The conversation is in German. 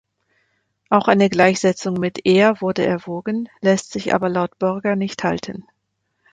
Auch eine Gleichsetzung mit Ea wurde erwogen, lässt sich aber laut Borger nicht halten.